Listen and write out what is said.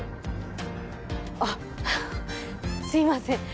あっすいません